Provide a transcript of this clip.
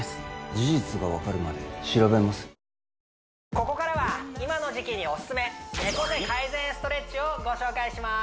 ここからは今の時期におすすめ猫背改善ストレッチをご紹介します